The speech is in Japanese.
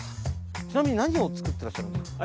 ちなみに何を作ってらっしゃるんですか？